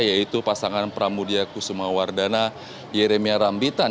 yaitu pasangan pramudia kusuma wardana yeremia rambitan